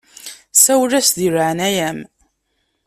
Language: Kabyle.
Sawel-as di leɛnaya-m.